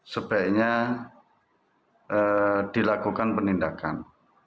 sebaiknya dilakukan penindakan